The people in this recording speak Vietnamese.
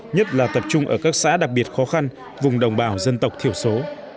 nhất là tập trung ở các xã đặc biệt khó khăn vùng đồng bào dân tộc thiểu số